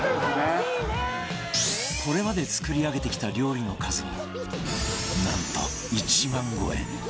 これまで作り上げてきた料理の数はなんと１万超え